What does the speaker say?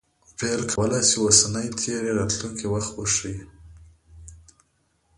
فعل کولای سي اوسنی، تېر یا راتلونکى وخت وښيي.